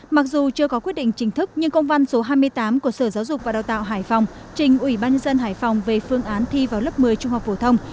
mặc dù chưa có quyết định chính thức nhưng công văn số hai mươi tám của sở giáo dục và đào tạo hải phòng trình ủy ban dân hải phòng về phương án thi vào lớp một mươi trung học phổ thông